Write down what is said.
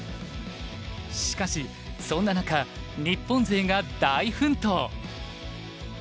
しかしそんな中日本勢が大奮闘。